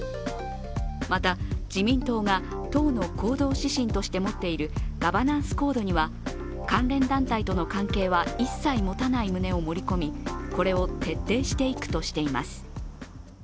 また自民党が党の行動指針として持っているガバナンスコードには関連団体との関係は一切持たない旨を盛り込み、これを徹底していくとしています。